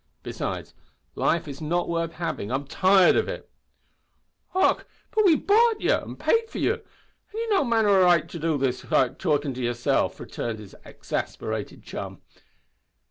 Besides, life is not worth having. I'm tired of it!" "Och! but we've bought you, an' paid for you, an' you've no manner o' right to do what ye like wi' yourself," returned his exasperated chum.